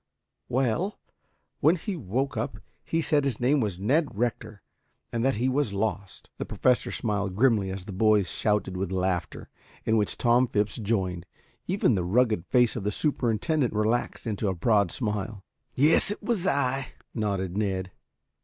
"Well, when he woke up he said his name was Ned Rector and that he was lost." The Professor smiled grimly as the boys shouted with laughter, in which Tom Phipps joined. Even the rugged face of the superintendent relaxed into a broad smile. "Yes, it was I," nodded Ned.